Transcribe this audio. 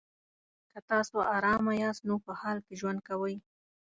که تاسو ارامه یاست نو په حال کې ژوند کوئ.